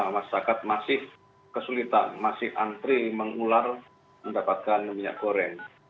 masyarakat masih kesulitan masih antri mengular mendapatkan minyak goreng